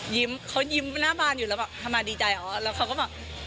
ยิ้มเขายิ้มหน้าบานอยู่แล้วเราแบบ